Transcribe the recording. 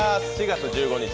４月１５日